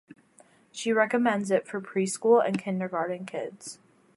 She recommends it for preschool and kindergarten kids.